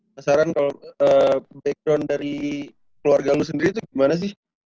penasaran kalau background dari keluarga lo sendiri itu gimana sih